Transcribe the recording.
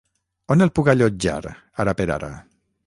On el puc allotjar, ara per ara?